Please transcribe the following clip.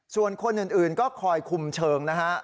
ส่วนคนอื่นก็คอยคุมเชิงนะฮะ